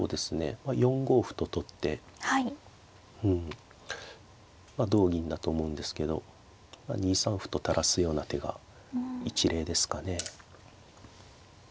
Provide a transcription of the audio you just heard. ４五歩と取って同銀だと思うんですけど２三歩と垂らすような手が一例ですかね。